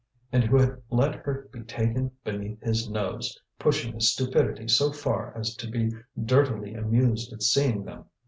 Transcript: and who had let her be taken beneath his nose, pushing his stupidity so far as to be dirtily amused at seeing them!